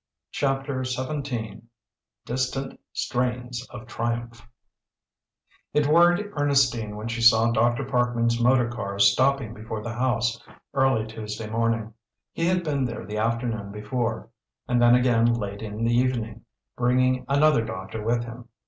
CHAPTER XVII DISTANT STRAINS OF TRIUMPH It worried Ernestine when she saw Dr. Parkman's motor car stopping before the house early Tuesday morning. He had been there the afternoon before, and then again late in the evening, bringing another doctor with him.